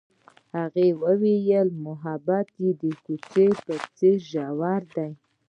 هغې وویل محبت یې د کوڅه په څېر ژور دی.